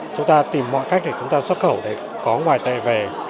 chúng ta tìm mọi cách để xuất khẩu để có ngoài tệ về